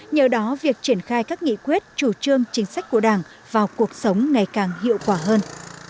nhờ đó việc triển khai các nghị quyết chủ trương chính sách của đảng vào cuộc sống ngày càng hiệu quả hơn